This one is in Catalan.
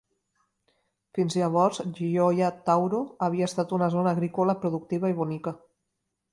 Fins llavors, Gioia Tauro havia estat una zona agrícola productiva i bonica.